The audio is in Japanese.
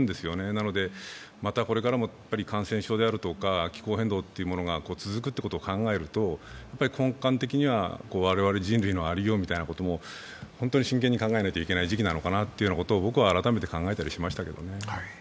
なので、またこれからも感染症や気候変動が続くことを考えると、根幹的には我々人類のありようみたいなことも本当に真剣に考えなきゃいけない時期なのかなと僕は改めて考えたりしましたけどね。